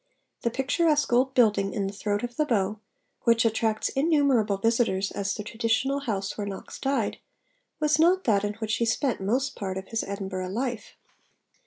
The picturesque old building 'in the throat of the Bow,' which attracts innumerable visitors as the traditional house where Knox died, was not that in which he spent most part of his Edinburgh life.